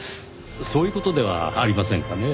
そういう事ではありませんかね？